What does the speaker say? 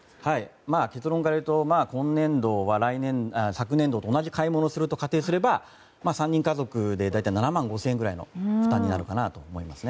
結論から言うと、今年度は昨年度と同じ買い物をすると仮定すれば３人家族で７万５０００円ぐらいの負担になるかなと思います。